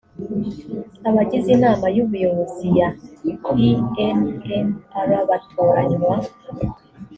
abagize inama y ubuyobozi ya inmr batoranywa